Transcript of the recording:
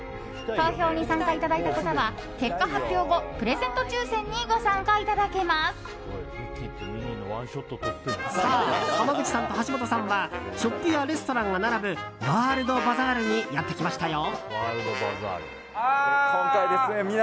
投票に参加いただいた方は結果発表後プレゼント抽選にさあ、濱口さんと橋本さんはショップやレストランが並ぶワールドバザールにやってきましたよ。